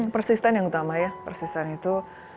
persisten yang utama ya persisten itu